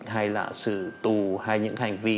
hay là sự tù hay những hành vi